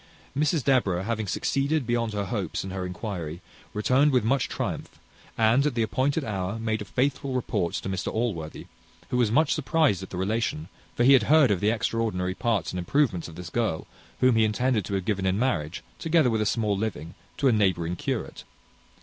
Mrs Deborah having succeeded beyond her hopes in her inquiry, returned with much triumph, and, at the appointed hour, made a faithful report to Mr Allworthy, who was much surprized at the relation; for he had heard of the extraordinary parts and improvements of this girl, whom he intended to have given in marriage, together with a small living, to a neighbouring curate.